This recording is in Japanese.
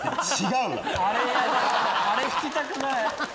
あれ聞きたくない！